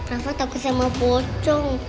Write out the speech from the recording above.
rafa takut sama pocong